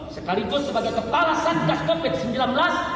sekalipun sebagai kepala sanggas covid sembilan belas